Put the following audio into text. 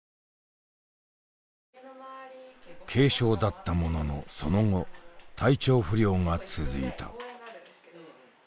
軽症だったもののその後体調不良が続いた。